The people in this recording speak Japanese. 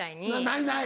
ないない。